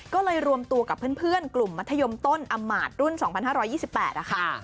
ก็เลยรวมตัวกับเพื่อนกลุ่มมัธยมต้นอำมาตย์รุ่น๒๕๒๘นะคะ